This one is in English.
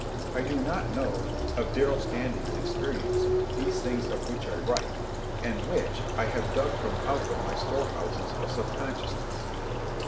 I do not know, of Darrell Standing's experience, these things of which I write and which I have dug from out my store houses of subconsciousness.